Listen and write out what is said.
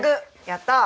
やったあ！